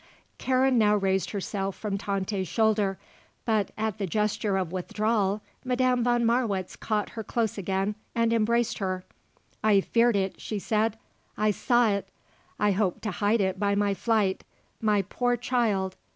Karen now raised herself from Tante's shoulder; but, at the gesture of withdrawal, Madame von Marwitz caught her close again and embraced her. "I feared it," she said. "I saw it. I hoped to hide it by my flight. My poor child!